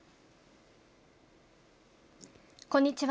こんにちは。